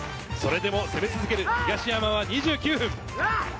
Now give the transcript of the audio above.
それでも攻め続ける東山は２９分。